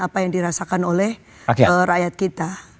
apa yang dirasakan oleh rakyat kita